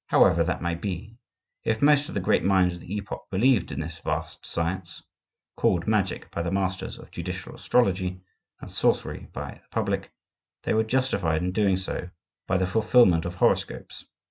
However that may be, if most of the great minds of that epoch believed in this vast science,—called Magic by the masters of judicial astrology, and Sorcery by the public,—they were justified in doing so by the fulfilment of horoscopes.